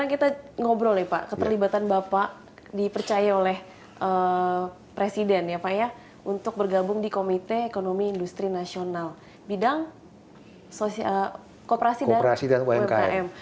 sekarang kita ngobrol ya pak keterlibatan bapak dipercaya oleh presiden ya pak ya untuk bergabung di komite ekonomi industri nasional bidang kooperasi dan umkm